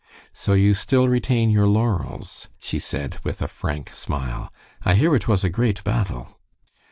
"So you still retain your laurels?" she said, with a frank smile. "I hear it was a great battle."